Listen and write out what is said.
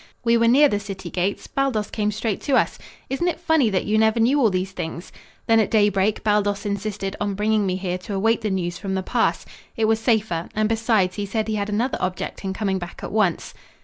We were near the city gates Baldos came straight to us. Isn't it funny that you never knew all these things? Then at daybreak Baldos insisted on bringing me here to await the news from the pass. It was safer, and besides, he said he had another object in coming back at once."